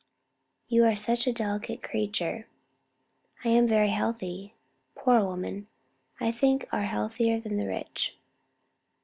"You are such a delicate creature." "I am very healthy. Poor women, I think, are healthier than the rich.